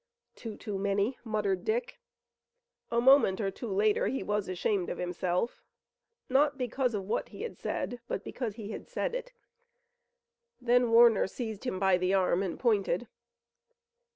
"Two too many," muttered Dick. A moment or two later he was ashamed of himself, not because of what he had said, but because he had said it. Then Warner seized him by the arm and pointed.